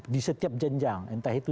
di setiap jenjang entah itu